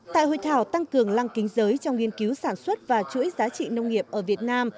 tại hội thảo tăng cường lăng kính giới trong nghiên cứu sản xuất và chuỗi giá trị nông nghiệp ở việt nam